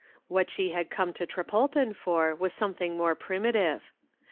What she had come to Trepolpen for was something more primitive.